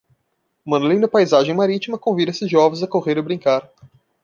Uma linda paisagem marítima convida esses jovens a correr e brincar.